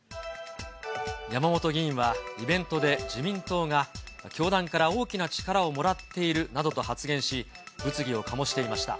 山本議員はイベントで自民党が教団から大きな力をもらっているなどと発言し、物議を醸していました。